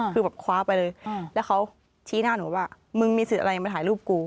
คือแบบคว้าไปเลยแล้วเขาชี้หน้าหนูว่ามึงมีสื่ออะไรมาถ่ายรูปกู